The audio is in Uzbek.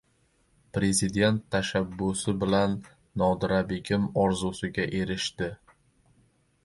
Prezident tashabbusi bilan Nodirabegim orzusiga erishdi